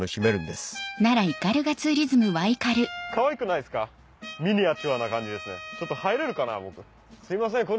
すいません